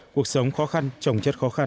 cuộc sống khó khăn chồng chất khó khăn